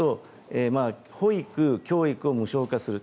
保育・教育を無償化する。